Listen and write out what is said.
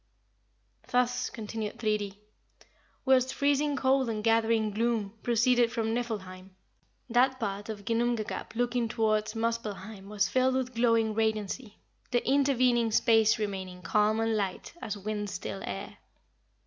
"Thus," continued Thridi, "whilst freezing cold and gathering gloom proceeded from Niflheim, that part of Ginnungagap looking towards Muspellheim was filled with glowing radiancy, the intervening space remaining calm and light as wind still air.